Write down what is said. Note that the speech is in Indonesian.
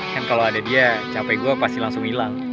kan kalau ada dia capek gue pasti langsung hilang